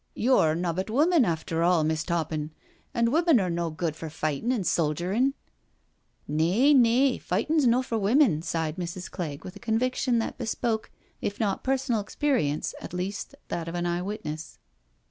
Yo're nobbut women after all^ Miss' Toppin, and women are no good for fightin' and soldierin\" " Nay, nay, fightin *s no for women," sighed Mrs. Clegg with a conviction that bespoke if not personal experience at least that of an eye witness.